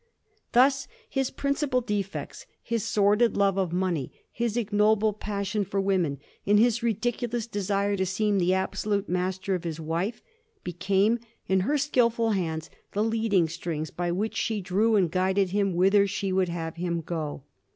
Thus his principal defects — his sordid love of money, his ignoble passion for women, and his ridiculous desire to seem the ab solute master of his wife — ^became in her skilful hands the leading strings by which she drew and guided him whither she would have him go.